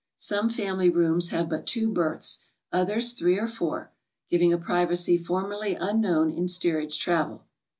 Some family rooms have b.ut two berths, others th^ee or four, giving a privacy formerly unknown in steerage travel.